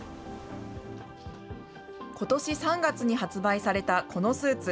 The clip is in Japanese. ことし３月に発売されたこのスーツ。